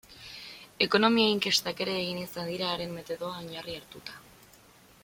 Ekonomia-inkestak ere egin izan dira haren metodoa oinarri hartuta.